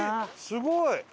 すごい！